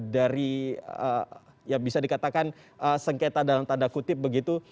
dari ya bisa dikatakan sengketa dalam tanda kutip begitu